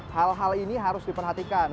hal hal ini harus diperhatikan